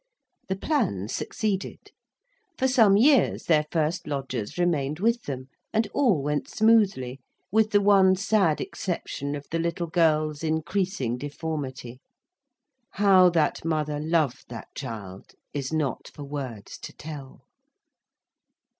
The plan succeeded. For some years their first lodgers remained with them, and all went smoothly,—with the one sad exception of the little girl's increasing deformity. How that mother loved that child, is not for words to tell!